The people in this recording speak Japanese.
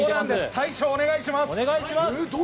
大将、お願いします。